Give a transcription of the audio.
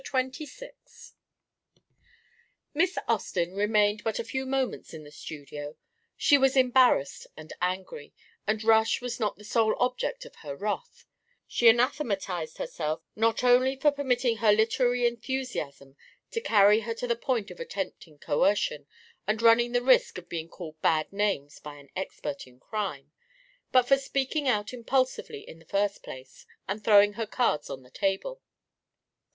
CHAPTER XXVI Miss Austin remained but a few moments in the studio. She was embarrassed and angry, and Rush was not the sole object of her wrath: she anathematised herself not only for permitting her literary enthusiasm to carry her to the point of attempting coercion and running the risk of being called bad names by an expert in crime, but for speaking out impulsively in the first place and throwing her cards on the table.